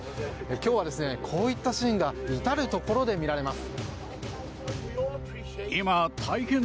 今日はこういったシーンが至るところで見られます。